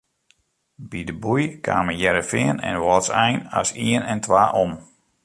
By de boei kamen Hearrenfean en Wâldsein as ien en twa om.